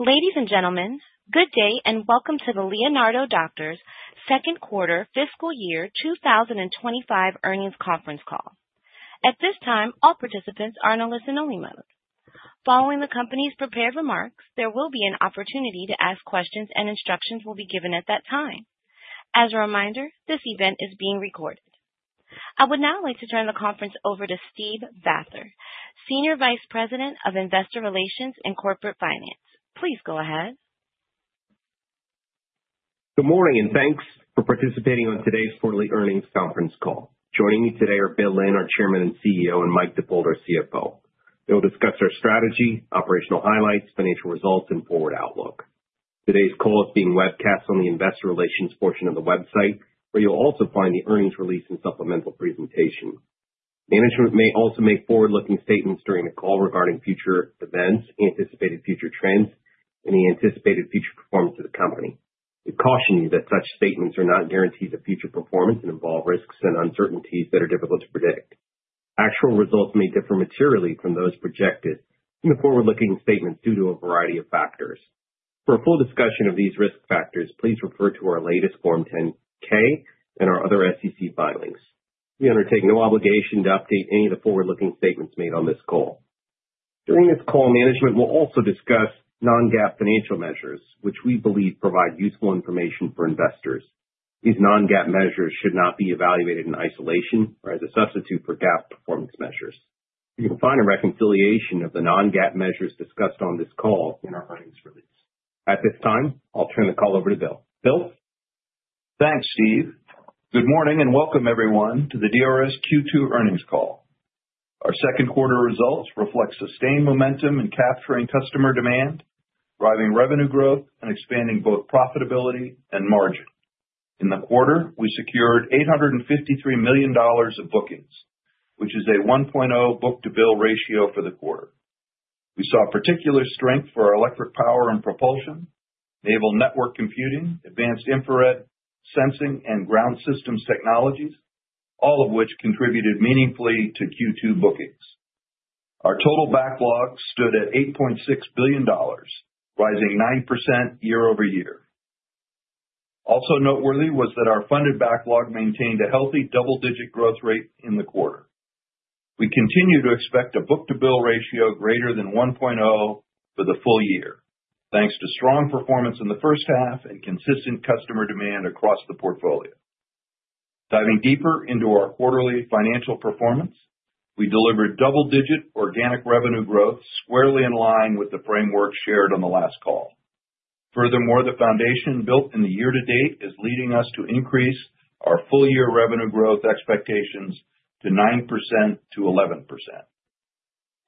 Ladies and gentlemen, good day and welcome to the Leonardo DRS Second Quarter Fiscal Year 2025Earnings Conference Call. At this time, all participants are in a listen only mode. Following the company's prepared remarks, there will be an opportunity to ask questions and instructions will be given at that time. As a reminder, this event is being recorded. I would now like to turn the conference over to Steve Vather, Senior Vice President of Investor Relations and Corporate Finance. Please go ahead. Good morning and thanks for participating on today's quarterly earnings conference call. Joining me today are Bill Lynn, our Chairman and CEO, and Mike Dippold, our CFO. They will discuss our strategy, operational highlights, financial results and forward outlook. Today's call is being webcast on the Investor Relations portion of the website where you'll also find the earnings release and supplemental presentation. Management may also make forward looking statements during the call regarding future events, anticipated future trends and the anticipated future performance of the company. We caution you that such statements are not guarantees of future performance and involve risks and uncertainties that are difficult to predict. Actual results may differ materially from those projected in the forward looking statements due to a variety of factors. For a full discussion of these risk factors, please refer to our latest Form 10-K and our other SEC filings. We undertake no obligation to update any of the forward looking statements made on this call. During this call, management will also discuss non-GAAP financial measures which we believe provide useful information for investors. These non-GAAP measures should not be evaluated in isolation or as a substitute for GAAP performance measures. You can find a reconciliation of the non-GAAP measures discussed on this call in our earnings release. At this time, I'll turn the call over to Bill. Bill, thanks. Steve, good morning and welcome everyone to the DRS Q2 Earnings Call. Our second quarter results reflect sustained momentum in capturing customer demand, driving revenue growth and expanding both profitability and margin. In the quarter, we secured $853 million of bookings, which is a 1.0 book-to-bill ratio for the quarter. We saw particular strength for our electric power and propulsion, naval network computing, advanced infrared sensing and ground systems technologies, all of which contributed meaningfully to Q2 bookings. Our total backlog stood at $8.6 billion, rising 9% year-over-year. Also noteworthy was that our funded backlog maintained a healthy double digit growth rate in the quarter. We continue to expect a book-to-bill ratio greater than 1.0 for the full year thanks to strong performance in the first half and consistent customer demand across the portfolio. Diving deeper into our quarterly financial performance, we delivered double-digit organic revenue growth squarely in line with the framework shared on the last call. Furthermore, the foundation built in the year to date is leading us to increase our full year revenue growth expectations to 9%-11%.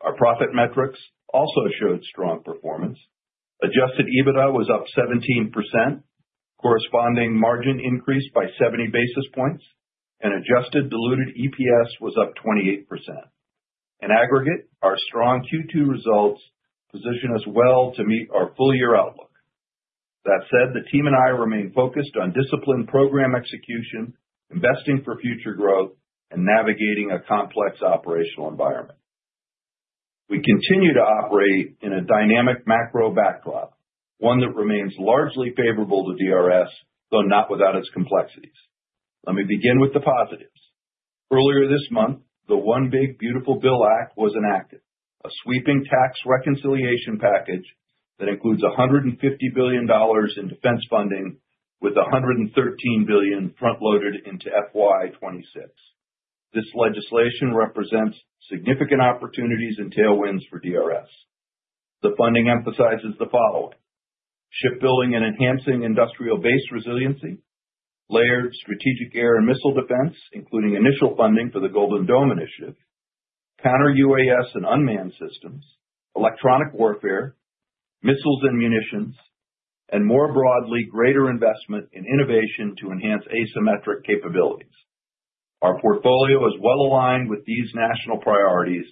Our profit metrics also showed strong performance. Adjusted EBITDA was up 17%, corresponding margin increased by 70 basis points and adjusted diluted EPS was up 28%. In aggregate, our strong Q2 results position us well to meet our full year outlook. That said, the team and I remain focused on disciplined program execution, investing for future growth and navigating a complex operational environment. We continue to operate in a dynamic macro backlog, one that remains largely favorable to DRS, though not without its complexities. Let me begin with the positives. Earlier this month, the One Big Beautiful Bill Act was enacted, a sweeping tax reconciliation package that includes $150 billion in defense funding. With $113 billion front loaded into FY2026, this legislation represents significant opportunities and tailwinds for DRS. The funding emphasizes the shipbuilding and enhancing industrial base resiliency, layered strategic air and missile defense, including initial funding for the Golden Dome initiative, counter-UAS and unmanned systems, electronic warfare, missiles and munitions, and more broadly, greater investment in innovation to enhance asymmetric capabilities. Our portfolio is well aligned with these national priorities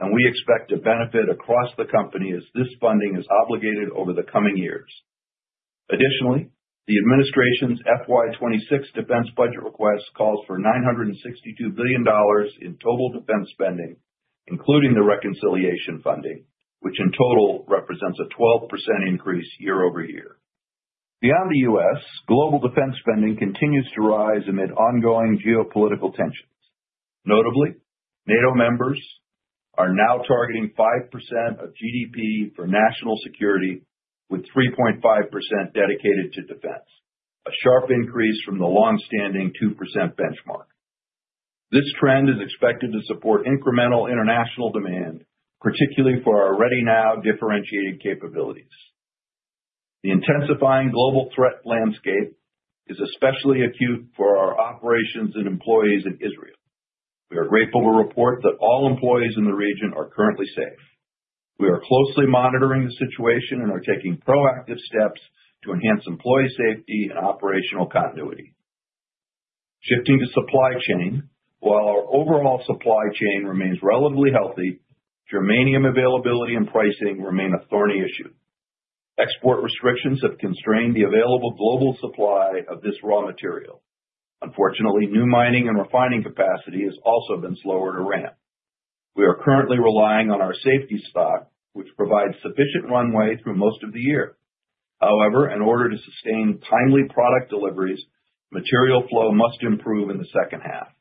and we expect to benefit across the company as this funding is obligated over the coming years. Additionally, the administration's FY2026 defense budget request calls for $962 billion in total defense spending, including the reconciliation funding, which in total represents a 12% increase year-over-year. Beyond the U.S., global defense spending continues to rise amid ongoing geopolitical tensions. Notably, NATO members are now targeting 5% of GDP for national security, with 3.5% dedicated to defense, a sharp increase from the long-standing 2% benchmark. This trend is expected to support incremental international demand, particularly for our ready-now differentiated capabilities. The intensifying global threat landscape is especially acute for our operations and employees in Israel. We are grateful to report that all employees in the region are currently safe. We are closely monitoring the situation and are taking proactive steps to enhance employee safety and operational continuity. Shifting to supply chain, while our overall supply chain remains relatively healthy, germanium availability and pricing remain a thorny issue. Export restrictions have constrained the available global supply of this raw material. Unfortunately, new mining and refining capacity has also been slower to ramp. We are currently relying on our safety stock, which provides sufficient runway through most of the year. However, in order to sustain timely product deliveries, material flow must improve in the second half.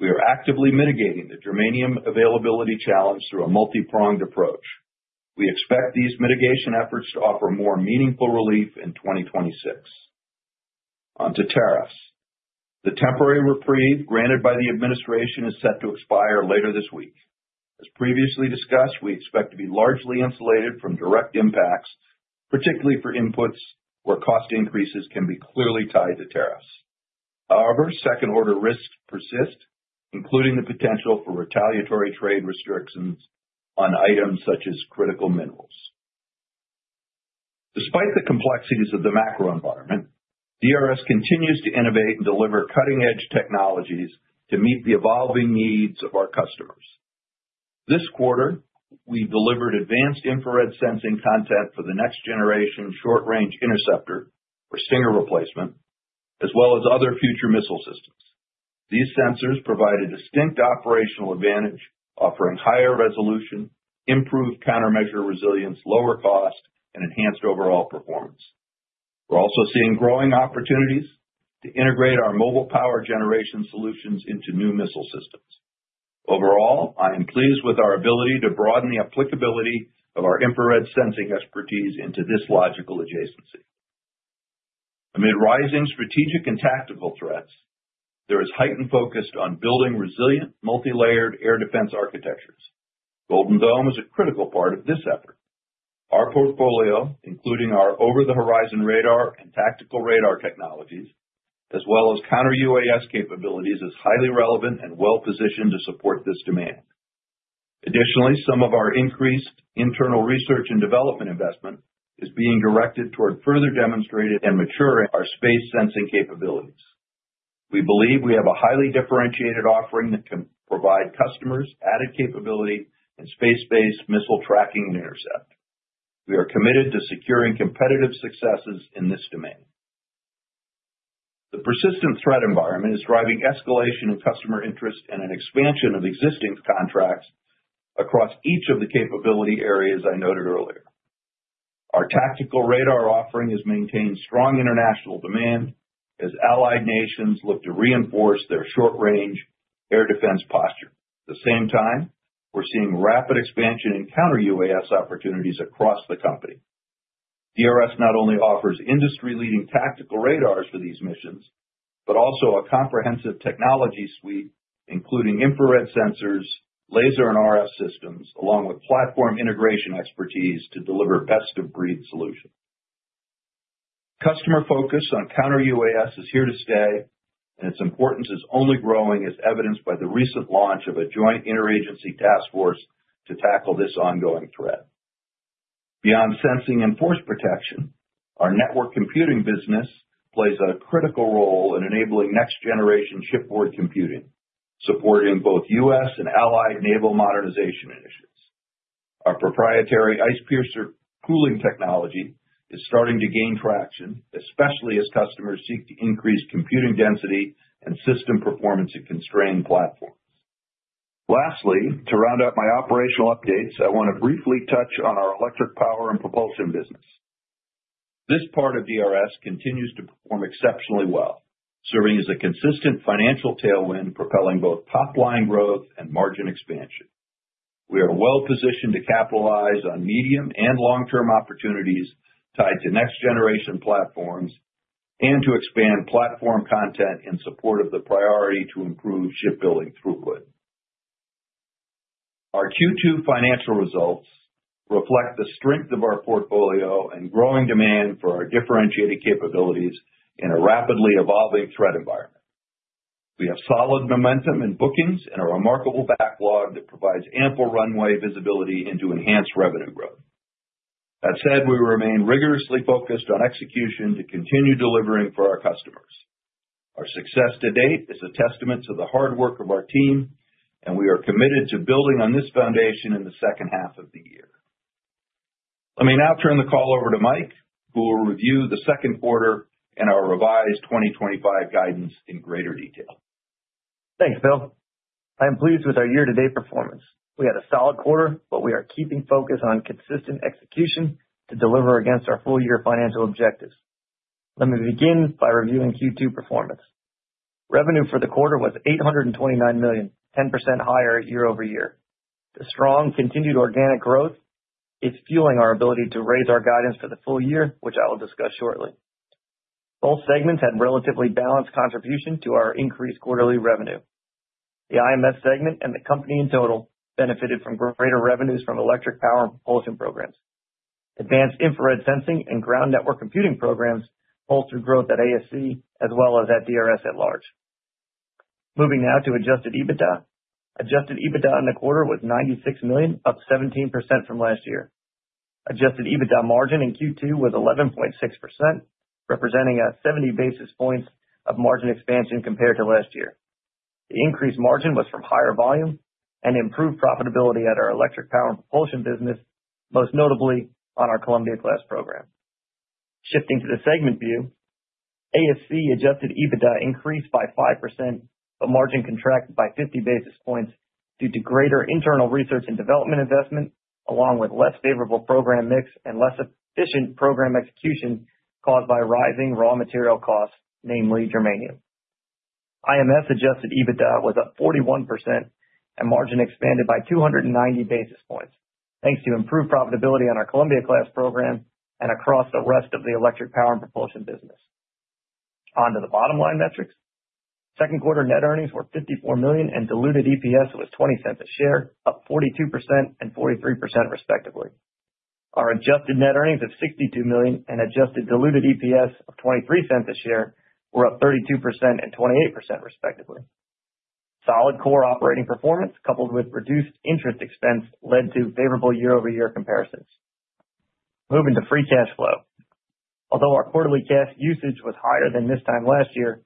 We are actively mitigating the germanium availability challenge through a multi-pronged approach. We expect these mitigation efforts to offer more meaningful relief in 2026. On to tariffs, the temporary reprieve granted by the administration is set to expire later this week. As previously discussed, we expect to be largely insulated from direct impacts, particularly for inputs where cost increases can be clearly tied to tariffs. However, second order risks persist, including the potential for retaliatory trade restrictions on items such as critical minerals. Despite the complexities of the macro environment, DRS continues to innovate and deliver cutting edge technologies to meet the evolving needs of our customers. This quarter we delivered advanced infrared sensing content for the Next Generation Short Range Interceptor or Stinger replacement as well as other future missile systems. These sensors provide a distinct operational advantage, offering higher resolution, improved countermeasure resilience, lower cost, and enhanced overall performance. We're also seeing growing opportunities to integrate our mobile power generation solutions into new missile systems. Overall, I am pleased with our ability to broaden the applicability of our infrared sensing expertise into this logical adjacency. Amid rising strategic and tactical threats, there is heightened focus on building resilient multilayered air defense architectures. Golden Dome is a critical part of this effort. Our portfolio, including our Over-the-Horizon radar and tactical radar technologies as well as counter-UAS capabilities, is highly relevant and well positioned to support this demand. Additionally, some of our increased internal research and development investment is being directed toward further demonstrating and maturing our space sensing capabilities. We believe we have a highly differentiated offering that can provide customers added capability in space based missile tracking and intercept. We are committed to securing competitive successes in this domain. The persistent threat environment is driving escalation in customer interest and an expansion of existing contracts across each of the capability areas. I noted earlier, our tactical radar offering has maintained strong international demand as allied nations look to reinforce their short range air defense posture. At the same time, we're seeing rapid expansion in Counter-UAS opportunities across the company. DRS not only offers industry leading tactical radars for these missions, but also a comprehensive technology suite including infrared sensors, laser and RF systems along with platform integration expertise to deliver best of breed solutions. Customer focus on Counter-UAS is here to stay and its importance is only growing as evidenced by the recent launch of a joint interagency task force to tackle this ongoing threat. Beyond sensing and force protection, our network computing business plays a critical role in enabling next generation shipboard computing, supporting both U.S. and allied naval modernization initiatives. Our proprietary IcePiercer cooling technology is starting to gain traction especially as customers seek to increase computing density and system performance in constrained platforms. Lastly, to round up my operational updates, I want to briefly touch on our electric power and propulsion business. This part of DRS continues to perform exceptionally well, serving as a consistent financial tailwind propelling both top line growth and margin expansion. We are well positioned to capitalize on medium and long term opportunities tied to next generation platforms and to expand platform content in support of the priority to improve shipbuilding throughput. Our Q2 financial results reflect the strength of our portfolio and growing demand for our differentiated capabilities in a rapidly evolving threat environment. We have solid momentum in bookings and a remarkable backlog that provides ample runway visibility into enhanced revenue growth. That said, we remain rigorously focused on execution to continue delivering for our customers. Our success to date is a testament to the hard work of our team and we are committed to building on this foundation in the second half of the year. Let me now turn the call over to Mike, who will review the second quarter and our revised 2025 guidance in greater detail. Thanks Bill. I am pleased with our year to date performance. We had a solid quarter, but we are keeping focus on consistent execution to deliver against our full year financial objectives. Let me begin by reviewing Q2 performance. Revenue for the quarter was $829 million, 10% higher year-over-year. The strong continued organic growth is fueling our ability to raise our guidance for the full year which I will discuss shortly. Both segments had relatively balanced contribution to our increased quarterly revenue. The IMS segment and the company in total benefited from greater revenues from electric power and propulsion programs. Advanced infrared sensing and naval network computing programs bolstered growth at ASC as well as at DRS at large. Moving now to Adjusted EBITDA. Adjusted EBITDA in the quarter was $96 million, up 17% from last year. Adjusted EBITDA margin in Q2 was 11.6% representing 70 basis points of margin expansion compared to last year. The increased margin was from higher volume and improved profitability at our electric power and propulsion business, most notably on our Columbia-class submarine program. Shifting to the segment view, ASC Adjusted EBITDA increased by 5% but margin contracted by 50 basis points due to greater internal research and development investment along with less favorable program mix and less efficient program execution caused by rising raw material costs, namely germanium. IMS Adjusted EBITDA was up 41% and margin expanded by 290 basis points thanks to improved profitability on our Columbia-class submarine program and across the rest of the electric power and propulsion business. Onto the bottom line metrics. Second quarter net earnings were $54 million and diluted EPS was $0.20 a share, up 42% and 43% respectively. Our adjusted net earnings of $62 million and adjusted diluted EPS of $0.23 a share were up 32% and 28% respectively. Solid core operating performance coupled with reduced interest expense led to favorable year-over-year comparisons. Moving to free cash flow. Although our quarterly cash usage was higher than this time last year,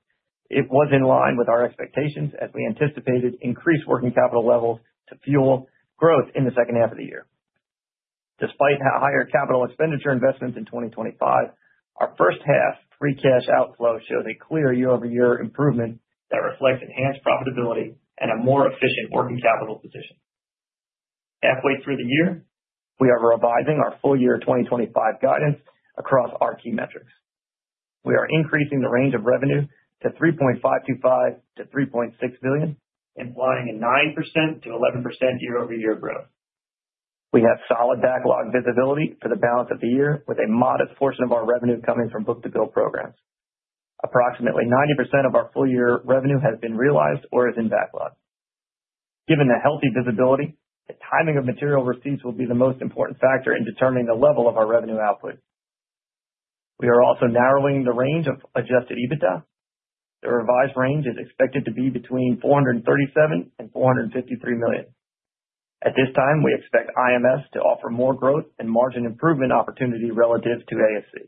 it was in line with our expectations as we anticipated increased working capital levels to fuel growth in the second half of the year. Despite higher capital expenditure investments in 2025, our first half free cash outflow shows a clear year-over-year improvement that reflects enhanced profitability and a more efficient working capital position. Halfway through the year we are revising our full year 2025 guidance across our key metrics. We are increasing the range of revenue to $3.525 billion-$3.6 billion, implying a 9%-11% year-over-year growth. We have solid backlog visibility for the balance of the year with a modest portion of our revenue coming from book-to-bill programs. Approximately 90% of our full year revenue has been realized or is in backlog. Given the healthy visibility, the timing of material receipts will be the most important factor in determining the level of our revenue output. We are also narrowing the range of Adjusted EBITDA. The revised range is expected to be between $437 million and $453 million. At this time we expect IMS to offer more growth and margin improvement opportunity relative to ASC.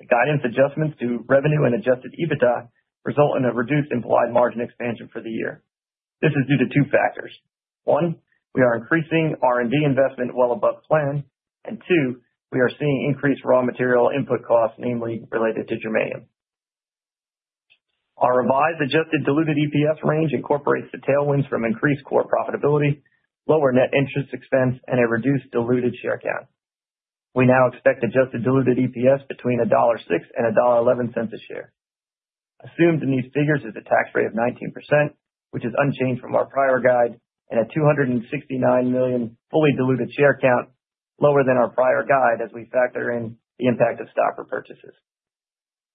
The guidance adjustments to revenue and Adjusted EBITDA result in a reduced implied margin expansion for the year. This is due to two factors. One, we are increasing R&D investment well above plan and two, we are seeing increased raw material input costs, namely related to germanium. Our revised adjusted diluted EPS range incorporates the tailwinds from increased core profitability, lower net interest expense and a reduced diluted share count. We now expect adjusted diluted EPS between $1.06 and $1.11 a share. Assumed in these figures is a tax rate of 19% which is unchanged from our prior guide and a 269 million fully diluted share count, lower than our prior guide. As we factor in the impact of stock repurchases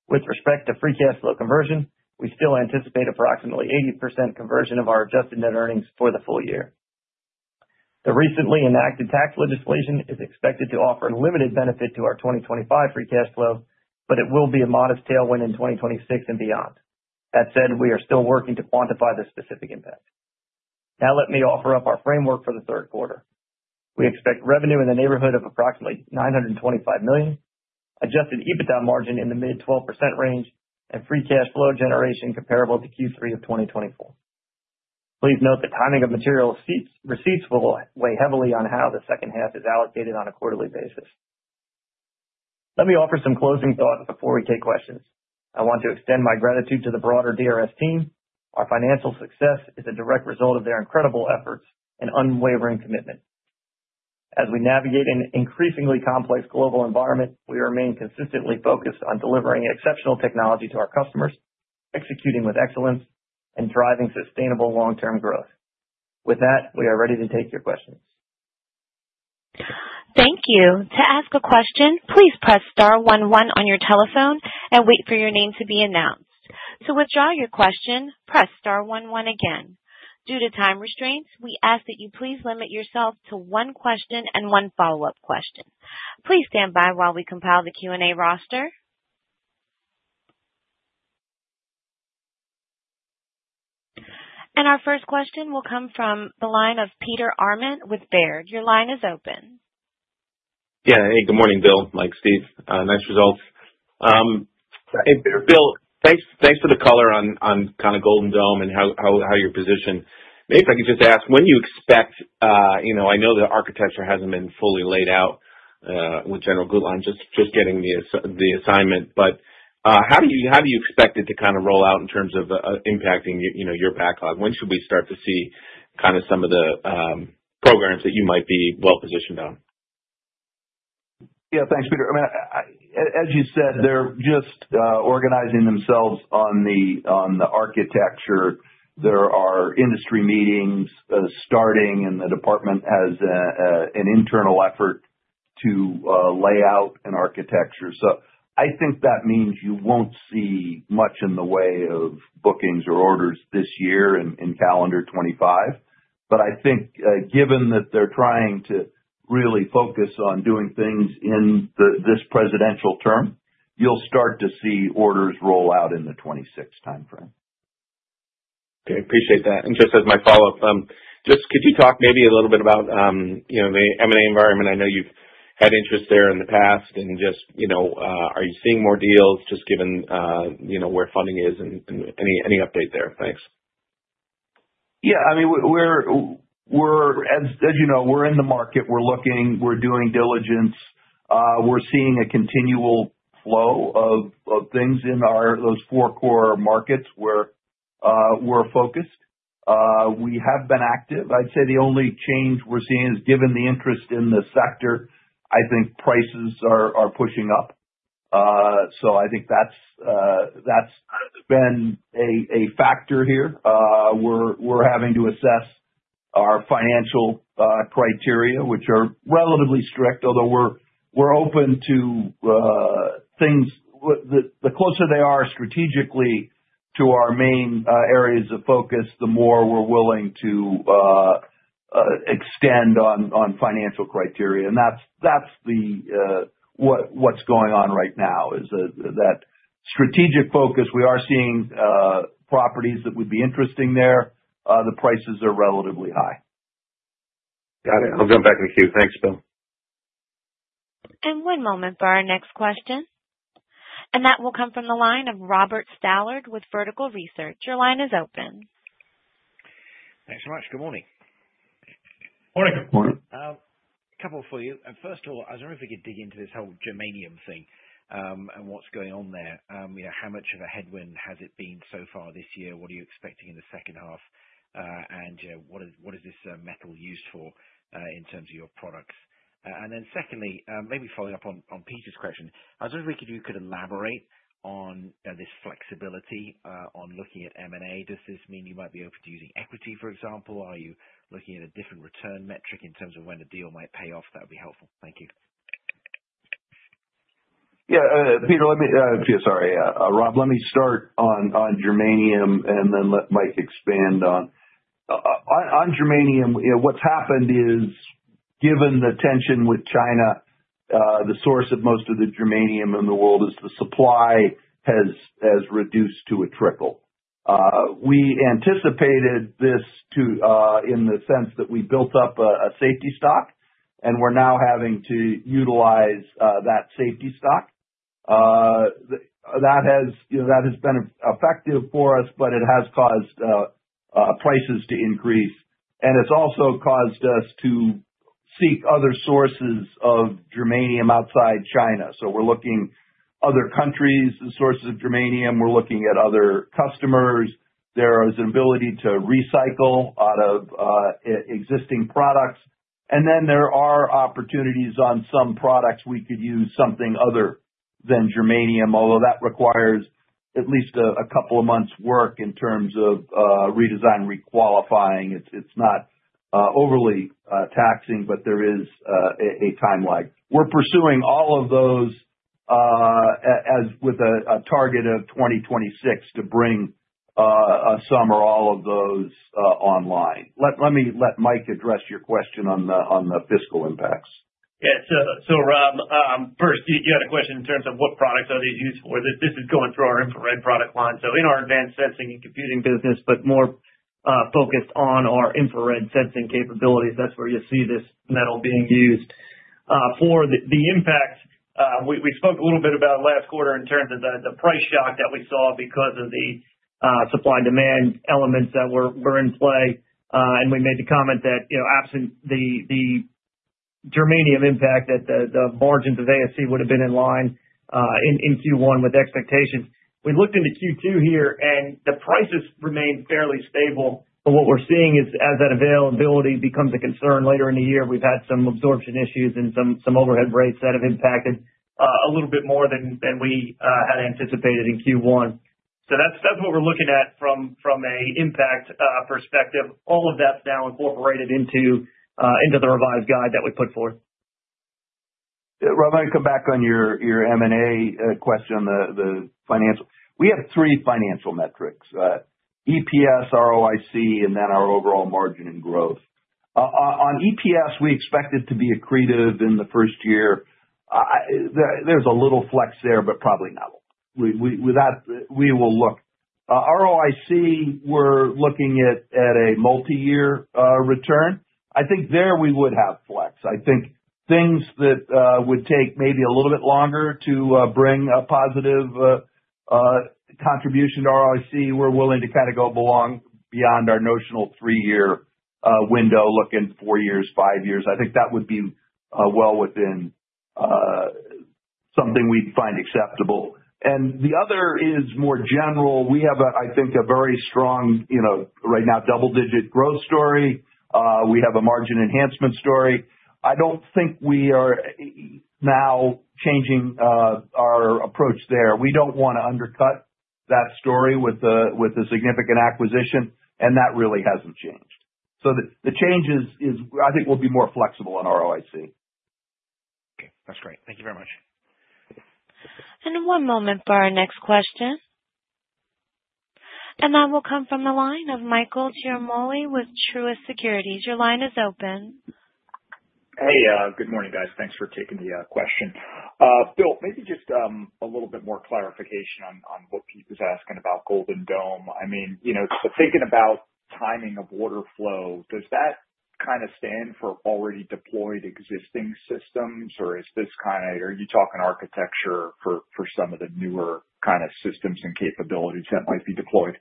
with respect to free cash flow conversion, we still anticipate approximately 80% conversion of our adjusted net earnings for the full year. The recently enacted tax legislation is expected to offer limited benefit to our 2025 free cash flow, but it will be a modest tailwind in 2026 and beyond. That said, we are still working to quantify this specific impact. Now let me offer up our framework. For the third quarter, we expect revenue in the neighborhood of approximately $925 million, Adjusted EBITDA margin in the mid 12% range, and free cash flow generation comparable to Q3 of 2024. Please note the timing of material receipts will weigh heavily on how the second half is allocated on a quarterly basis. Let me offer some closing thoughts before we take questions. I want to extend my gratitude to the broader DRS team. Our financial success is a direct result of their incredible efforts and unwavering commitment. As we navigate an increasingly complex global environment. We remain consistently focused on delivering exceptional technology to our customers, executing with excellence and driving sustainable long-term growth. With that, we are ready to take your questions. Thank you. To ask a question, please press star one one on your telephone and wait for your name to be announced. To withdraw your question, press star one one. Again, due to time restraints, we ask that you please limit yourself to one question and one follow up question. Please stand by while we compile the Q&A roster and our first question will come from the line of Peter Arment with Baird. Your line is open. Yeah. Hey, good morning, Bill, Mike, Steve. Nice results. Bill. Thanks for the color on kind of Golden Dome and how your position. Maybe if I could just ask when you expect. I know the architecture hasn't been fully laid out with General [Gluteline] just getting the assignment, but how do you expect it to kind of roll out in terms of impacting your backlog? When should we start to see kind of some of the programs that you might be well positioned on? Yeah, thanks, Peter. As you said, they're just organizing themselves on the architecture. There are industry meetings starting and the department has an internal effort to lay out an architecture. I think that means you won't see much in the way of bookings or orders this year in calendar 2025. I think given that they're trying to really focus on doing things in this presidential term, you'll start to see orders roll out in the 2026 time frame. Okay, appreciate that. Just as my follow up, just could you talk maybe a little bit about the M&A environment? I know you've had interest there in the. Just. Are you seeing more deals just given where funding is and any update there? Yeah, I mean, as you know, we're in the market, we're looking, we're doing diligence, we're seeing a continual flow of things in those four core markets where we're focused we have been active. I'd say the only change we're seeing is given the interest in the sector. I think prices are pushing up. I think that's been a factor here. We're having to assess our financial criteria, which are relatively strict. Although we're open to things, the closer they are strategically to our main areas of focus, the more we're willing to extend on financial criteria. That's what's going on right now. Is that strategic focus. We are seeing properties that would be interesting there. The prices are relatively high. Got it. I'll jump back in the queue. Thanks, Bill. One moment for our next question. That will come from the line of Robert Stallard with Vertical Research. Your line is open. Thanks very much. Good morning. Couple for you. First of all, I was wondering if we could dig into this whole germanium. Thing and what's going on there. How much of a headwind has it been so far this year? What are you expecting in the second half? What is this metal used for in terms of your products? Secondly, maybe following up on. Peter's question, I was wondering if you. Could you elaborate on this flexibility on looking? At M&A. Does this mean you might be open to using equity? For example, are you looking at a. Different return metric in terms of when. A deal might pay off? That would be helpful. Thank you. Yeah. Peter, let me. Sorry, Rob, let me start on germanium and then let Mike expand on germanium. What's happened is, given the tension with China, the source of most of the germanium in the world is the supply has reduced to a trickle. We anticipated this in the sense that we built up a safety stock and we're now having to utilize that safety stock. That has been effective for us, but it has caused prices to increase and it's also caused us to seek other sources of germanium outside China. So we're looking at other countries' sources of germanium, we're looking at other customers. There is an ability to recycle out of existing products, and then there are opportunities on some products. We could use something other than germanium, although that requires at least a couple of months' work in terms of redesign, requalifying. It's not overly taxing, but there is a time lag. We're pursuing all of those with a target of 2026 to bring some or all of those online. Let me let Mike address your question on the fiscal impacts. Yes. Rob, first you had a question in terms of what products are these used for? This is going through our infrared product line. In our advanced sensing business, but more focused on our infrared sensing capabilities. That's where you see this metal being used for the impacts. We spoke a little bit about last quarter in terms of the price shock that we saw because of the supply and demand elements that were in play. We made the comment that the germanium impact, that the margins of ASC would have been in line in Q1 with expectations. We looked into Q2 here and the prices remained fairly stable. What we're seeing is as that availability becomes a concern later in the year, we've had some absorption issues and some overhead rates that have impacted a little bit more than we had anticipated in Q1. That's what we're looking at from an impact perspective. All of that's now incorporated into the revised guide that we put forth. Rob, I'm going to come back on your M&A question. The financial, we have three financial metrics, EPS, ROIC and then our overall margin. Growth on EPS. We expect it to be accretive in the first year. There's a little flex there, but probably not. We will look at ROIC, we're looking at a multi-year return. I think there we would have flex. I think things that would take maybe a little bit longer to bring a positive contribution to ROC, we're willing to kind of go along beyond our notional three-year window, looking four years, five years. I think that would be well within something we'd find acceptable. The other is more general. We have, I think, a very strong, you know, right now double-digit growth story. We have a margin enhancement story. I don't think we are now changing our approach there. We don't want to undercut that story with a significant acquisition. That really hasn't changed. The change is, I think we'll be more flexible in ROIC. Okay, that's great. Thank you very much. One moment for our next question. That will come from the line of Michael Ciarmoli with Truist Securities. Your line is open. Hey, good morning guys. Thanks for taking the question, Bill. Maybe just a little bit more clarification. On what Pete was asking about Golden Dome. I mean, you know, thinking about timing of order flow. Does that kind of stand for already deployed existing systems or is this kind of, are you talking architecture for some of the newer kind of systems and capabilities that might be deployed?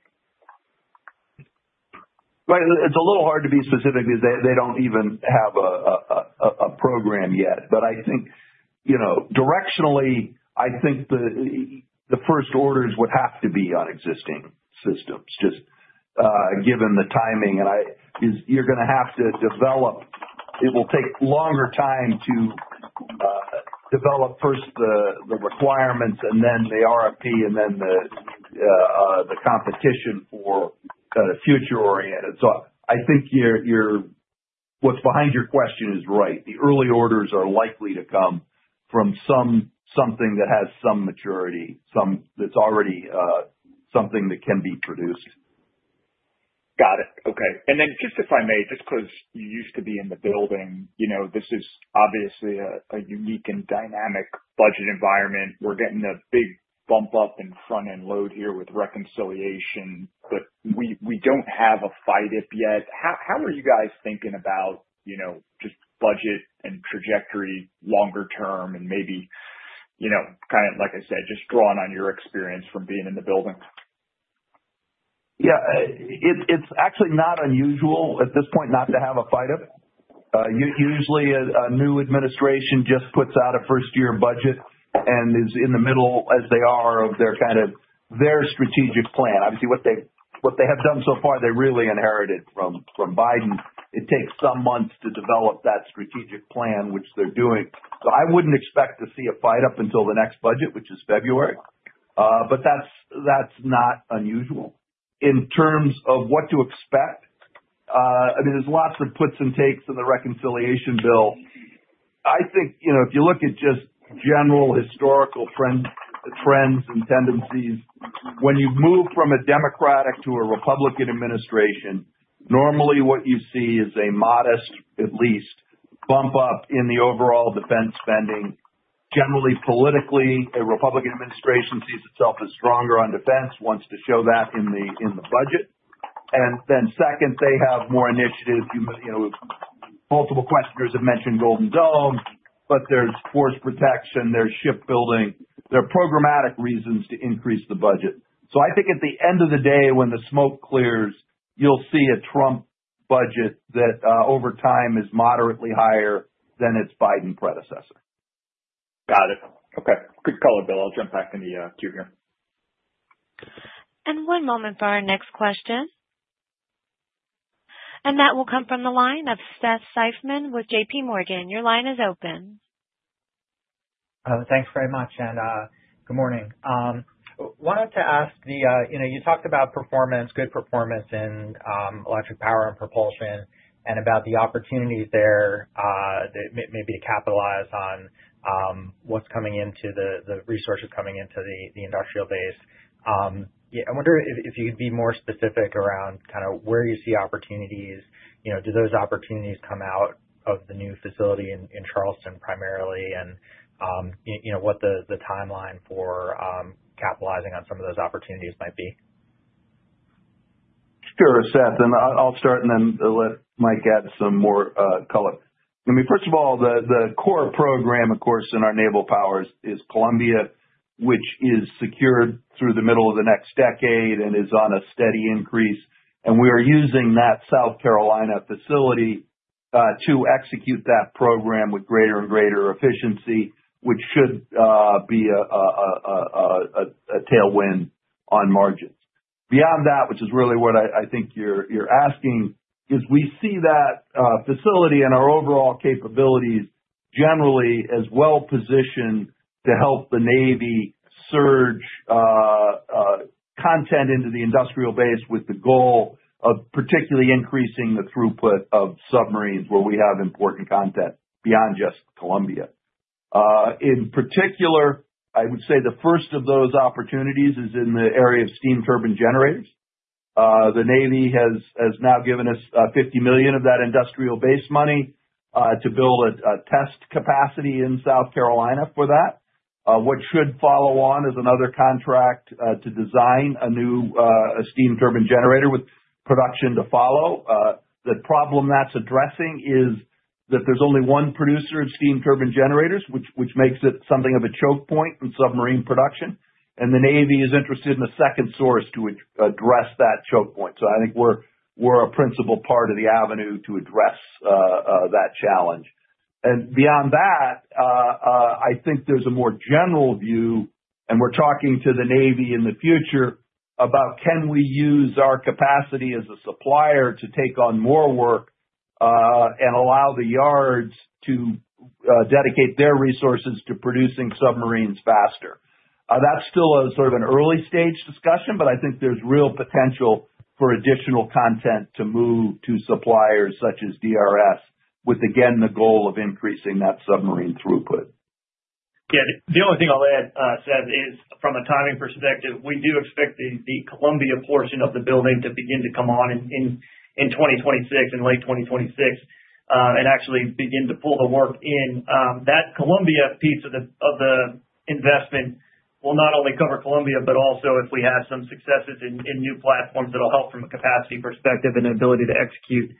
It's a little hard to be specific because they don't even have a program yet. I think, you know, directionally, I think the first orders would have to be on existing systems just given the timing and I. You're going to have to develop. It will take longer time to develop first the requirements and then the RFP and then the competition for future oriented. I think what's behind your question is right. The early orders are likely to come from something that has some maturity, that's already something that can be produced. Got it. Okay. And then just if I may, just. Because you used to be in the building, you know, this is obviously a unique and dynamic budget environment. We're getting a big bump up in front end load here with reconciliation, but we don't have a fight if yet. How are you guys thinking about you? Know, just budget and trajectory longer term. Maybe, you know, kind of like. I said, just drawing on your experience from being in the building. Yeah, it's actually not unusual at this point not to have a FYDP up. Usually a new administration just puts out a first year budget and is in the middle as they are of their kind of their strategic plan. Obviously what they have done so far they really inherited from Biden. It takes some months to develop that strategic plan which they're doing. I wouldn't expect to see a FYDP up until the next budget, which is February. That's not unusual in terms of what to expect. I mean there's lots of puts and takes in the reconciliation bill. I think, you know, if you look at just general historical trends and tendencies when you move from a Democratic to a Republican administration, normally what you see is a modest, at least bump up in the overall defense spending generally. Politically, a Republican administration sees itself as stronger on defense, wants to show that in the, in the budget. Second, they have more initiatives. Multiple questioners have mentioned Golden Dome, but there's force protection, there's shipbuilding. There are programmatic reasons to increase the budget. I think at the end of the day when the smoke clears, you'll see a Trump budget that over time is moderately higher than its Biden predecessor. Got it. Okay. Good color, Bill. I'll jump back in the queue here. One moment for our next question and that will come from the line of Seth Seifman with JPMorgan. Your line is open. Thanks very much and good morning. Wanted to ask the, you know, you talked about performance, good performance in electric power and propulsion and about the opportunities. There that maybe to capitalize on what's coming into the resources coming into the industrial base. I wonder if you could be more specific around kind of where you see opportunities. Do those opportunities come out of the new facility in Charleston, primarily? And what the timeline for capitalizing on some of those opportunities might be. Sure. Seth and I'll start and then let Mike add some more color. I mean, first of all, the core program, of course, in our naval power is Columbia, which is secured through the middle of the next decade and is on a steady increase. We are using that South Carolina facility to execute that program with greater and greater efficiency, which should be a tailwind on margins. Beyond that, which is really what I think you're asking, is we see that facility and our overall capabilities generally as well positioned to help the Navy surge content into the industrial base, with the goal of particularly increasing the throughput of submarines where we have important content beyond just Columbia. In particular, I would say the first of those opportunities is in the area of steam turbine generators. The Navy has now given us $50 million of that industrial base money to build a test capacity in South Carolina for that. What should follow on is another contract to design a new steam turbine generator with production to follow. The problem that's addressing is that there's only one producer of steam turbine generators, which makes it something of a choke point in submarine production. The Navy is interested in a. Second source to address that choke point. I think we're a principal part of the avenue to address that challenge. Beyond that, I think there's a more general view, and we're talking to the Navy in the future about can we use our capacity as a supplier to take on more work and allow the yards to dedicate their resources to producing submarines faster. That's still sort of an early stage discussion, but I think there's real potential for additional content to move to suppliers such as DRS, with, again, the goal of increasing that submarine throughput. Yeah. The only thing I'll add, Seth, is from a timing perspective, we do expect the Columbia portion of the building to begin to come on in 2026 and late 2026 and actually begin to pull the work in. That Columbia piece of the investment will not only cover Columbia, but also if we have some successes in new platforms that will help from a capacity perspective and ability to execute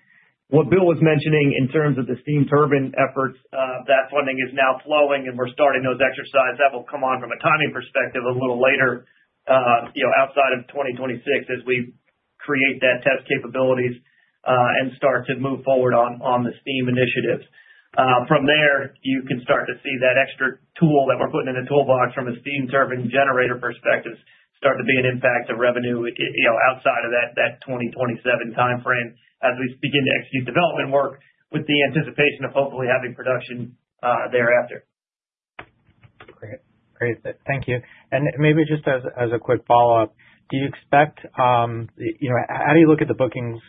what Bill was mentioning in terms of the steam turbine efforts. That funding is now flowing, and we're starting those exercises that will come on from a timing perspective a little later, outside of 2026, as we create that test capabilities and start to move forward on the steam initiatives. From there, you can start to see that extra tool that we're putting in the toolbox from a steam turbine generator perspective start to be an impact of revenue outside of that 2027 timeframe as we begin to execute development work with the anticipation of hopefully having production thereafter. Great, thank you. Maybe just as a quick follow. Up, do you expect, how do you? Look at the bookings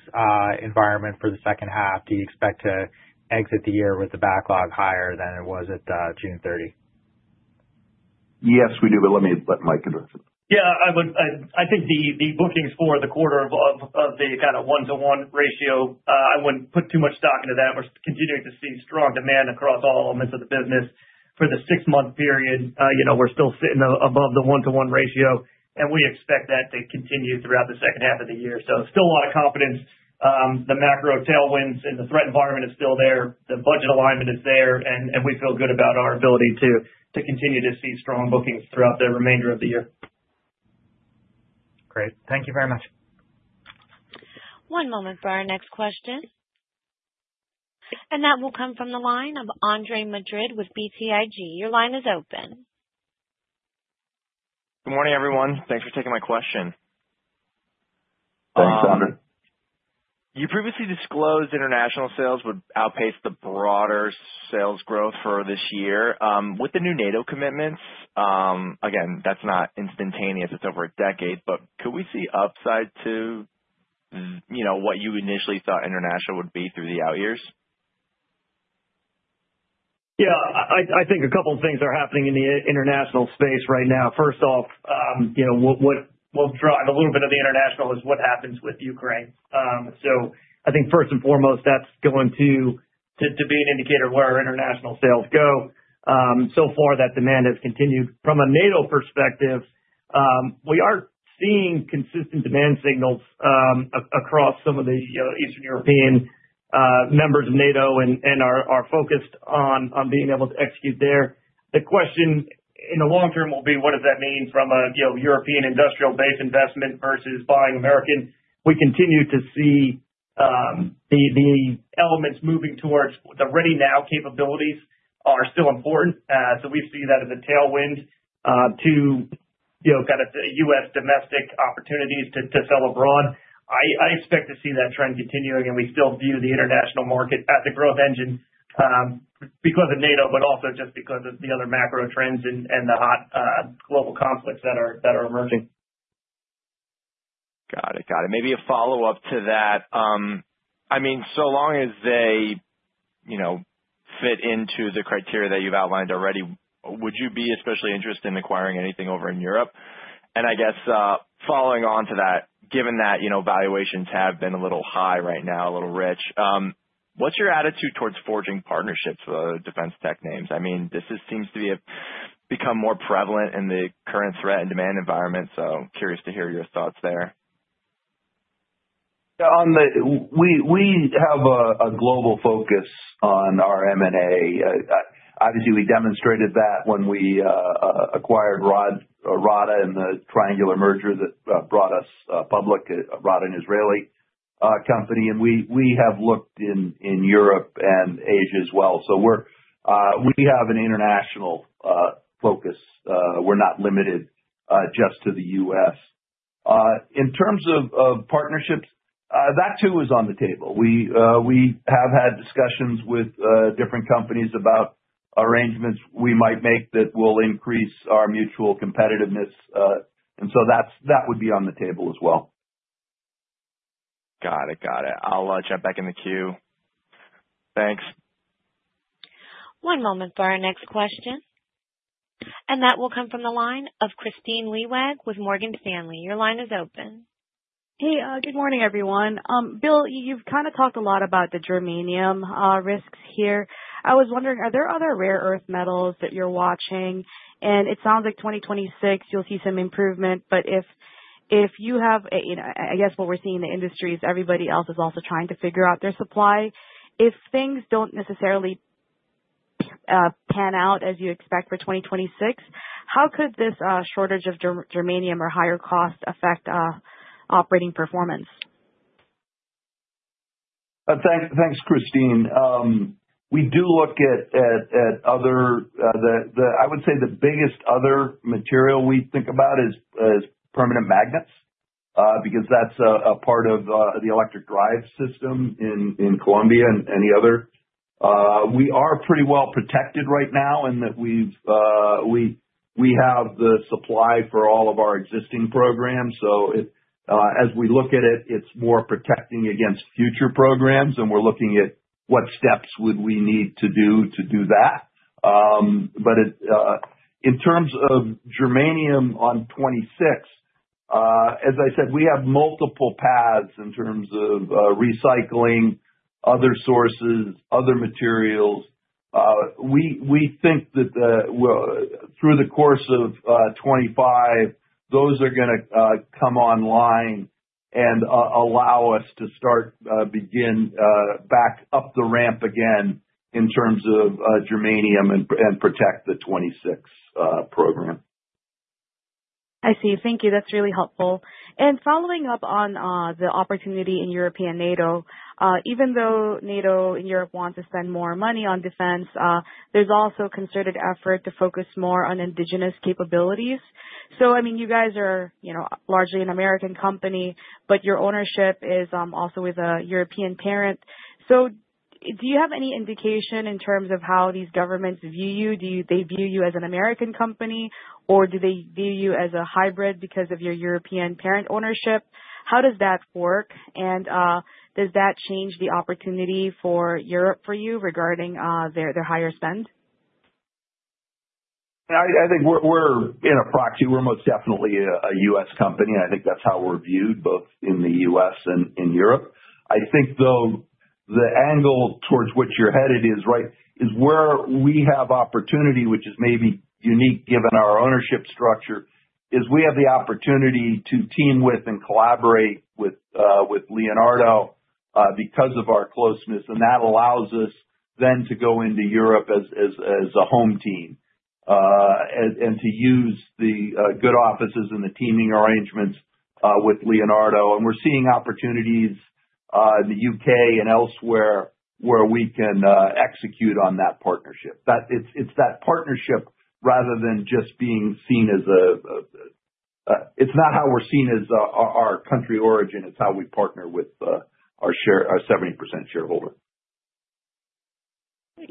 environment for the second half. Do you expect to exit the year? With the backlog higher than it was at June 30? Yes, we do, but let me, let Mike address it. Yes, I think the bookings for the quarter of the kind of one to one ratio, I wouldn't put too much stock into that. We're continuing to see strong demand across all elements of the business. For the six month period, we're still sitting above the one to one ratio and we expect that to continue throughout the second half of the year. Still a lot of confidence. The macro tailwinds and the threat environment is still there, the budget alignment is there and we feel good about our ability to continue to see strong bookings throughout the remainder of the year. Great, thank you very much. One moment for our next question. And. That will come from the line of Andre Madrid with BTIG. Your line is open. Good morning everyone. Thanks for taking my question. You previously disclosed international sales would outpace the broader sales growth for this year with the new NATO commitments. Again, that's not instantaneous. It's over a decade. Could we see upside to what you initially thought international would be through the out years? Yes, I think a couple of things are happening in the international space right now. First off, what will drive a little bit of the international is what happens with Ukraine. I think first and foremost that's going to be an indicator of where our international sales go. So far that demand has continued. From a NATO perspective, we are seeing consistent demand signals across some of the Eastern European members of NATO and are focused on being able to execute there. The question in the long term will be what does that mean from a European industrial base investment versus buying American? We continue to see the elements moving towards the ready now capabilities are still important. We see that in the tailwind to kind of U.S. domestic opportunities to sell abroad. I expect to see that trend continuing. We still view the international market as a growth engine because of NATO, but also just because of the other macro trends and the hot global conflicts that are emerging. Got it, got it. Maybe a follow up to that. I mean, so long as they fit into the criteria that you've outlined already, would you be especially interested in acquiring anything over in Europe? I guess following on to that, given that valuations have been a little high right now. A little rich. What's your attitude towards forging partnerships with defense tech names? I mean, this seems to become more prevalent in the current threat and demand environment. Curious to hear your thoughts there. We have a global focus on our M&A. Obviously we demonstrated that when we acquired RADA in the triangular merger that brought us public. RADA, an Israeli company. We have looked in Europe and Asia as well. We have an international focus. We're not limited just to the U.S. in terms of partnerships. That too is on the table. We have had discussions with different companies about arrangements we might make that will increase our mutual competitiveness. That would be on the table as well. Got it, got it. I'll jump back in the queue, thanks. One moment for our next question. That will come from the line of Kristine Liwag with Morgan Stanley. Your line is open. Hey, good morning, everyone. Bill, you've kind of talked a lot about the germanium risks here. I was wondering, are there other rare earth metals that you're watching? It sounds like 2026, you'll see some improvement. If you have, I guess what we're seeing in the industry is everybody else is also trying to figure out their supply. If things don't necessarily pan out as you expect for 2026, how could this shortage of germanium or higher cost affect operating performance? Thanks, Kristine. We do look at other. I would say the biggest other material we think about is permanent magnets because that's a part of the electric drive system in Columbia and any other. We are pretty well protected right now in that we have the supply for all of our existing programs. As we look at it, it's more protecting against future programs. We're looking at what steps we would need to do to do that. In terms of germanium on 2026, as I said, we have multiple paths in terms of recycling, other sources, other materials. We think that through the course of 2025, those are going to come online and allow us to start, begin, back up the ramp again in terms of germanium and protect the 2026 program. I see. Thank you. That's really helpful. Following up on the opportunity in European NATO. Even though NATO in Europe wants to spend more money on defense, there's also concerted effort to focus more on indigenous capabilities. I mean, you guys are largely an American company, but your ownership is also with a European parent. Do you have any indication in terms of how these governments view you? Do they view you as an American company or do they view you as a hybrid because of your European parent ownership? How does that work and does that change the opportunity for Europe for you regarding their higher spend? I think we're in a proxy. We're most definitely a U.S. company. I think that's how we're viewed both in the U.S. and in Europe. I think, though, the angle towards which you're headed is right, is where we have opportunity, which is maybe unique given our ownership structure, is we have the opportunity to team with and collaborate with Leonardo because of our closeness. That allows us then to go into Europe as a home team and to use the good offices and the teaming arrangements with Leonardo. We're seeing opportunities in the U.K. and elsewhere where we can execute on that partnership. It's that partnership rather than just being seen as a. It's not how we're seen as our country origin, it's how we partner with our 70% shareholder.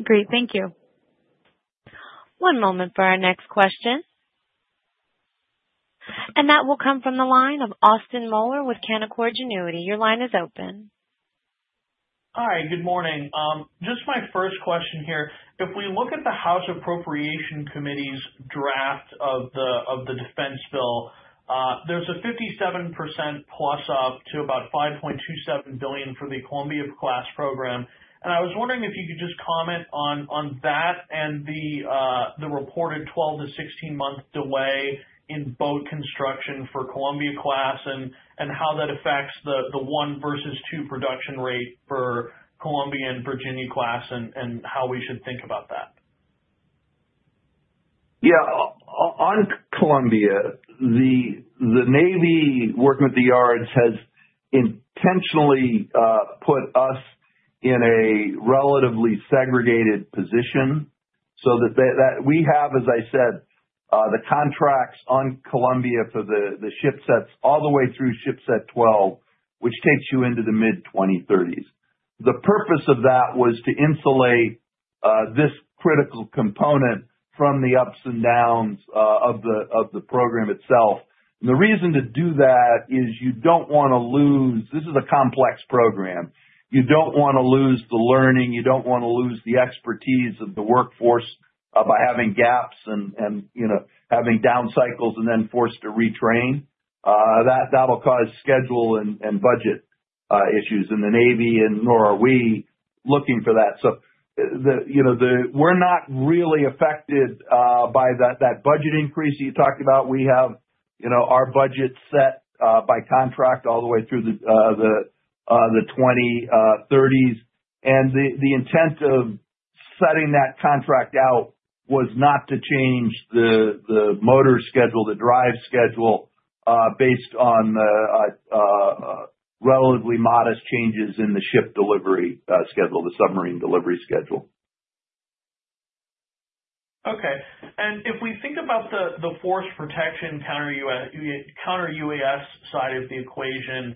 Great. Thank you. One moment for our next question. That will come from the line of Austin Moeller with Canaccord Genuity. Your line is open. Hi, good morning. Just my first question here. If we look at the House Appropriations Committee's draft of the defense bill, there's. A 57%+, up to about $5.27 billion for the Columbia-class program. I was wondering if you could. Just comment on that and the reported. 12-16 month delay in boat. Construction for Columbia-class and how that affects the one versus two production rate for Columbia and Virginia-class and how. We should think about that. Yeah. On Columbia, the Navy working with the yards has intentionally put us in a relatively segregated position. We have, as I said, the contracts on Columbia for the shipsets all the way through shipset 12, which takes you into the mid-2030s. The purpose of that was to insulate this critical component from the ups and downs of the program itself. The reason to do that is you do not want to lose. This is a complex program. You do not want to lose the learning. You do not want to lose the expertise of the workforce by having gaps and having down cycles and then forced to retrain. That will cause schedule and budget issues in the Navy and nor are we looking for that. We are not really affected by that. Budget increase that you talked about. We have our budget set by contract all the way through the 2030s. The intent of setting that contract out was not to change the motor schedule, the drive schedule, based on relatively modest changes in the ship delivery schedule, the submarine delivery schedule. Okay. If we think about the force. Protection Counter-UAS side of the equation,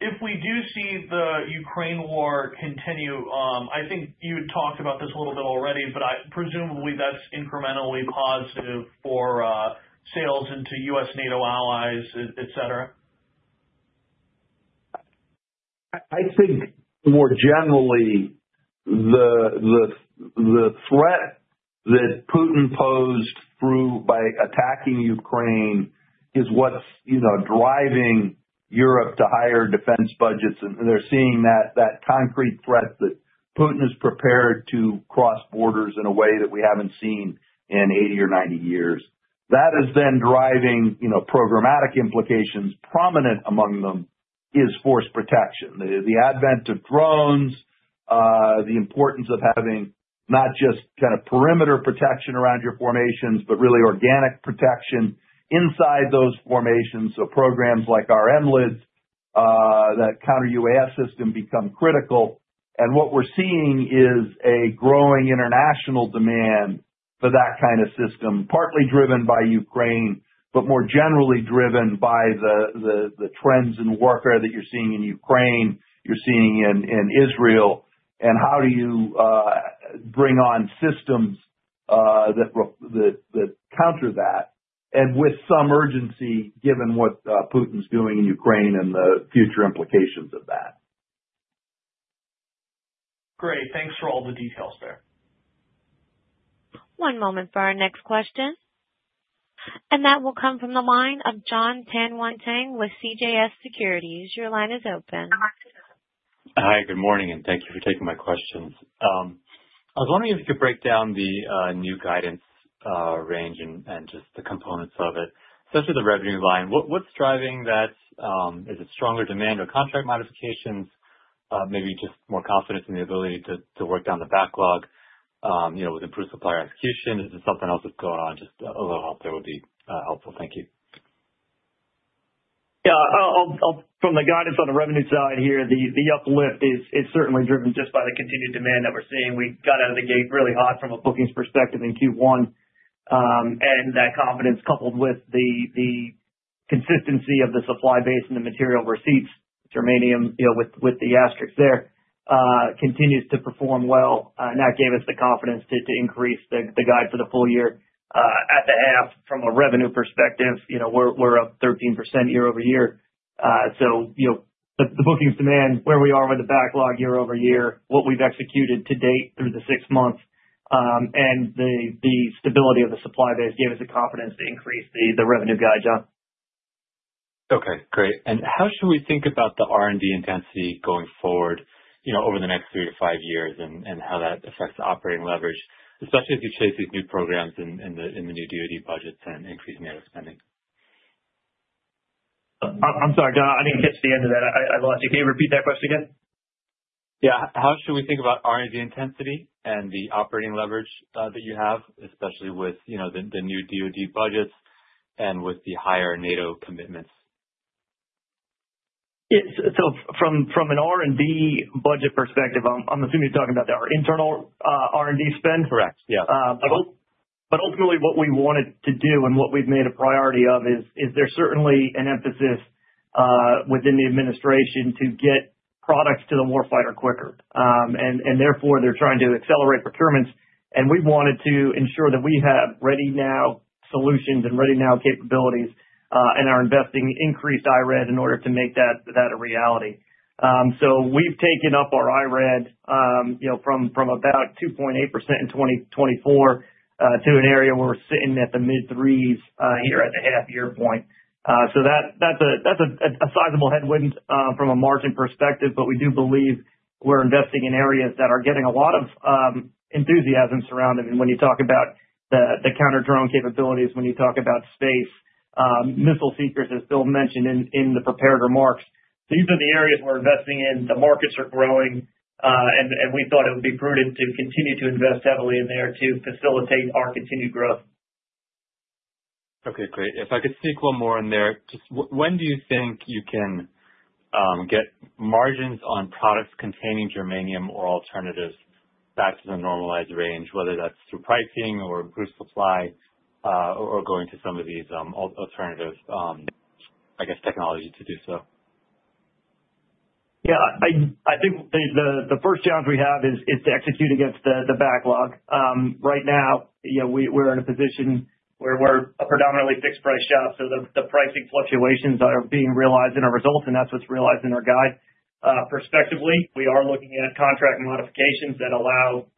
if we do see the Ukraine war continue. I think you had talked about this a little bit already, but presumably that's incrementally positive for sales into U.S., NATO, allies, etc. I think more generally the threat that Putin posed through by attacking Ukraine is what's driving Europe to higher defense budgets. They're seeing that concrete threat that Putin is prepared to cross borders in a way that we haven't seen in 80 or 90 years. That is then driving programmatic implications. Prominent among them is force protection, the advent of drones, the importance of having not just kind of perimeter protection around your formations, but really organic protection inside those formations. Programs like our M-LIDS, that Counter-UAS system, become critical. What we're seeing is a growing international demand for that kind of system, partly driven by Ukraine, but more generally driven by the trends in warfare that you're seeing in Ukraine, you're seeing in Israel. How do you bring on systems that counter that? With some urgency, given what Putin's doing in Ukraine and the future implications of that. Great. Thanks for all the details there. One moment for our next question. That will come from the line of John Tanwanteng with CJS Securities. Your line is open. Hi, good morning and thank you for taking my questions. I was wondering if you could break down the new guidance range and just the components of it, especially the revenue line. What's driving that? Is it stronger demand or contract modifications? Maybe just more confidence in the ability to work down the backlog with improved supplier execution. Is there something else that's going on? Just a little help there would be helpful. Thank you. Yeah. From the guidance on the revenue side here, the uplift is certainly driven just by the continued demand that we're seeing. We got out of the gate really hot a bookings perspective in Q1. That confidence, coupled with the consistency of the supply base and the material receipts germanium with the asterisks there, continues to perform well. That gave us the confidence to increase the guide for the full year. At the half, from a revenue perspective, we're up 13% year-over-year. The bookings demand, where we are with the backlog year-over-year, what we've executed to date through the six months, and the stability of the supply base gave us the confidence to increase the revenue guide. John. Okay, great. How should we think about the R&D intensity going forward over the next three to five years and how that affects operating leverage, especially as you chase these new programs in the new DoD budgets and increase NATO spending. I'm sorry, I didn't catch the end of that. I lost you. Can you repeat that question again? Yeah. How should we think about R&D intensity and the operating leverage that you have, especially with the new DoD budgets and with the higher NATO commitments? From an R&D budget perspective, I'm assuming you're talking about our internal R&D spend, correct? Yeah. Ultimately what we wanted to do and what we've made a priority of is there is certainly an emphasis within the administration to get products to the war fighter quicker and therefore they're trying to accelerate procurements. We wanted to ensure that we have ready now solutions and ready now capabilities and are investing increased IRAD in order to make that a reality. We've taken up our IRAD from about 2.8% in 2024 to an area where we're sitting at the mid-3s here at the half year point. That's a sizable headwind from a margin perspective. We do believe we're investing in areas that are getting a lot of enthusiasm surrounding. When you talk about the counter drone capabilities, when you talk about space missile seekers, as Bill mentioned in the prepared remarks, these are the areas we're investing in. The markets are growing and we thought it would be prudent to continue to invest heavily in there to facilitate our continued growth. Okay, great. If I could sneak one more in there. Just when do you think you can get margins on products containing germanium or alternatives back to the normalized range? Whether that's through pricing or improved supply or going to some of these alternative, I guess, technology to do so. Yeah. I think the first challenge we have is to execute against the backlog. Right now we're in a position where we're a predominantly fixed price shop. So the pricing fluctuations are being realized in our results and that's what's realized in our guide. Prospectively, we are looking at contract modifications that allow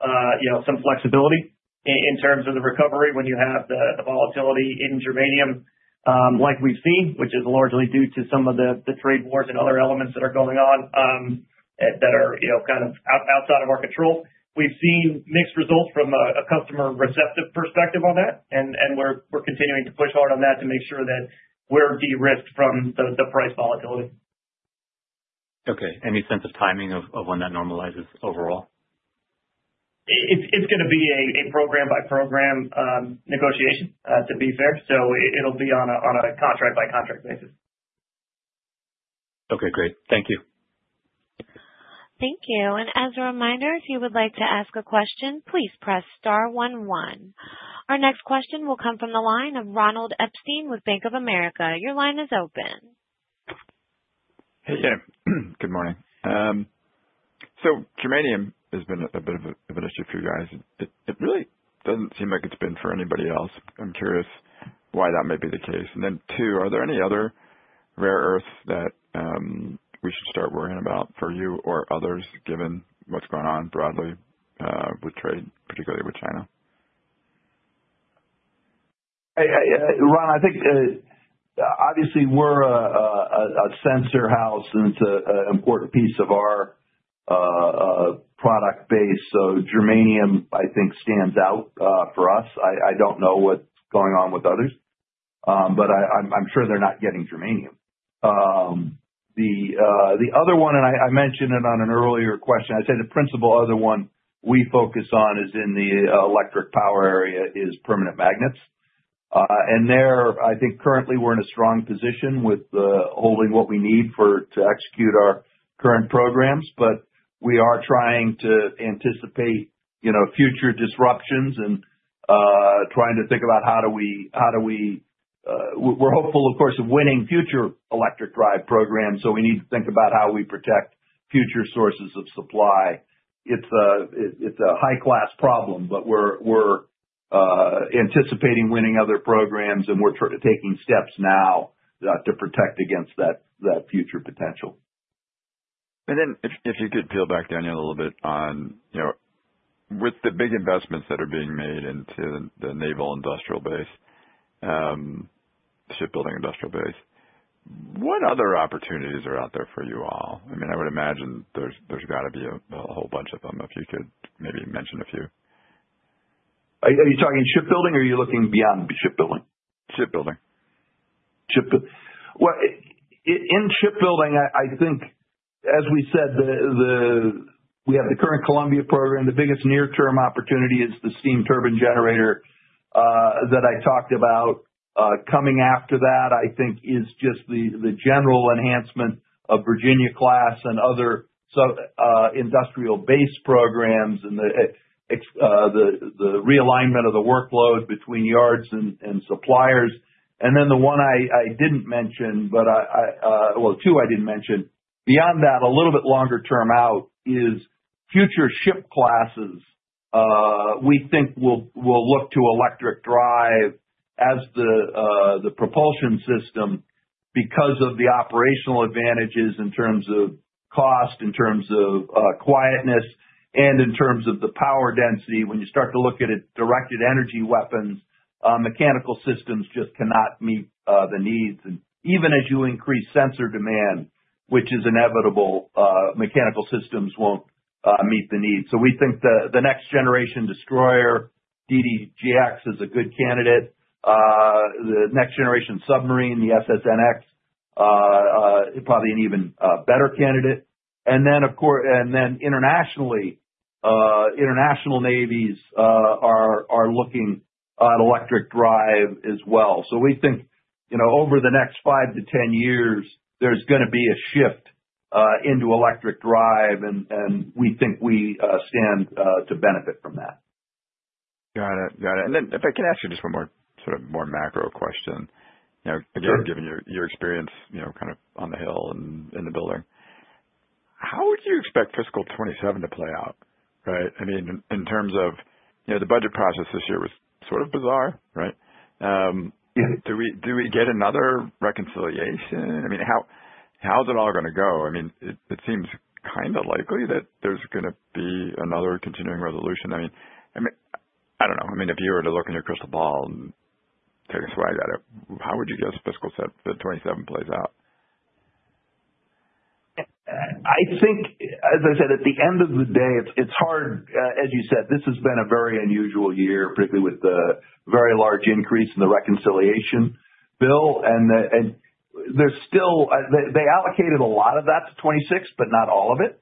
some flexibility in terms of the recovery. When you have the volatility in germanium like we've seen, which is largely due to some of the trade wars and other elements that are going on that are kind of outside of our control, we've seen mixed results from a customer receptive perspective on that, and we're continuing to push hard on that to make sure that we're de-risked from the price volatility. Okay. Any sense of timing of when that? Normalizes overall, it's going to be a program by program negotiation to be fair. It'll be on a contract by contract basis. Okay, great. Thank you. Thank you. As a reminder, if you would like to ask a question, please press star one one. Our next question will come from the line of Ronald Epstein with Bank of America. Your line is open. Hey, good morning. So germanium has been a bit of an issue for you guys. It really does not seem like it has been for anybody else. I am curious why that may be the case. And then two, are there any other rare earths that we should start worrying about for you or others, given what is going on broadly with trade, particularly with China? Ron? I think obviously we are a sensor house and it is an important piece of our product base. So germanium, I think, stands out for us. I do not know what is going on with others, but I am sure they are not getting germanium. The other one, and I mentioned it on an earlier question, I would say the principal other one we focus on is in the electric power area is permanent magnets. And there, I think currently we are in a strong position with holding what we need to execute our current programs. We are trying to anticipate, you know, future disruptions and trying to think about how do we, how do we. We are hopeful, of course, of winning future electric drive programs. So we need to think about how we protect future sources of supply. It is a high class problem, but we are anticipating winning other programs and we are taking steps now to protect against that future potential. If you could peel back, Daniel, a little bit on with the big investments that are being made into the naval industrial base, shipbuilding industrial base, what other opportunities are out there for you all? I mean, I would imagine there has got to be a whole bunch of them. If you could maybe mention a few. Are you talking shipbuilding or are you looking beyond shipbuilding? Shipbuilding. In shipbuilding, I think as we said, we have the current Columbia program. The biggest near term opportunity is the steam turbine generator that I talked about. Coming after that I think is just the general enhancement of Virginia-class and other industrial base programs and the realignment of the workload between yards and suppliers. The one I did not mention, but, well, two I did not mention. Beyond that, a little bit longer term out is future ship classes, we think will look to electric drive as the propulsion system because of the operational advantages in terms of cost, in terms of quietness and in terms of the power density. When you start to look at directed energy weapons, mechanical systems just cannot meet the needs. Even as you increase sensor demand, which is inevitable, mechanical systems will not meet the needs. We think the next generation destroyer, DDG, is a good candidate. The next generation submarine, the SSNX, probably an even better candidate. Internationally, international navies are looking at electric drive as well. We think over the next five to 10 years, there is going to be a shift into electric drive, and we think we stand to benefit from that. Got it. Got it. If I can ask you. Just one more sort of more macro question, again, given your experience kind of on the Hill and in the building, how would you expect fiscal 2027 to play out? Right. I mean, in terms of the budget process, this year was sort of bizarre, right? Do we get another reconciliation? I mean, how's it all going to go? I mean, it seems kind of likely that there's going to be another continuing resolution. I mean, I don't know. I mean, if you were to look in your crystal ball and take a swag at it, how would you guess fiscal 2027 plays out? I think, as I said, at the end of the day, it's hard. As you said, this has been a very unusual year, particularly with the very large increase in the reconciliation bill. And there's still, they allocated a lot of that to 2026, but not all of it.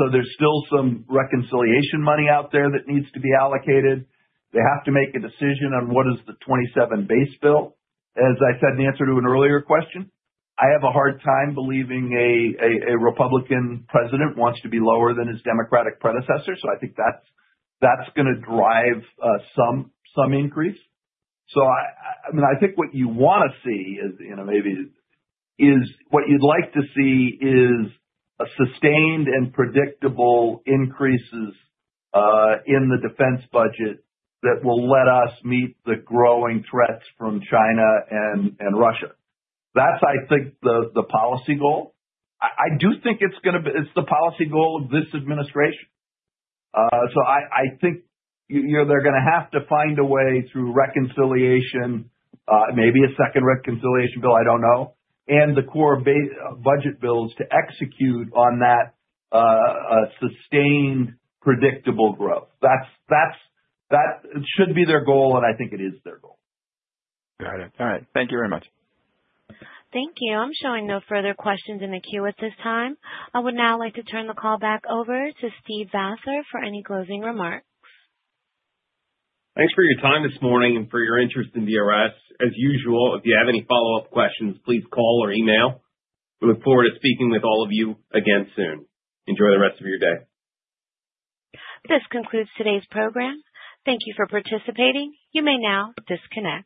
So there's still some reconciliation money out there that needs to be allocated. They have to make a decision on. What is the 27 base bill. As I said, in answer to an earlier question, I have a hard time believing a Republican president wants to be lower than his Democratic predecessor. I think that's going to drive some increase. I think what you want to see maybe is what you'd like to see is sustained and predictable increases in the defense budget that will let us meet the growing threats from China and Russia. That's, I think, the policy goal. I do think it's going to. It's the policy goal of this administration. I think they're going to have to find a way through reconciliation, maybe a second reconciliation bill, I don't know. The core budget bills to execute on that sustained, predictable growth, that should be their goal and I think it is their goal. Got it. All right. Thank you very much. Thank you. I'm showing no further questions in the queue at this time. I would now like to turn the call back over to Steve Vather for any closing remarks. Thanks for your time this morning and for your interest in DRS as usual. If you have any follow up questions, please call or email. We look forward to speaking with all of you again soon. Enjoy the rest of your day. This concludes today's program. Thank you for participating. You may now disconnect.